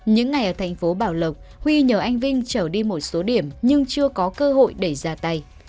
những ngày ở thành phố bảo lộc huy nhờ anh vinh trở đi một số điểm nhưng chưa có cơ hội để ra tay